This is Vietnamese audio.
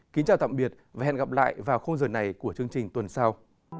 kính chào tạm biệt và hẹn gặp lại vào khuôn giờ này của chương trình tuần sau